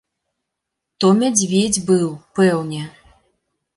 То мядзведзь быў, пэўне.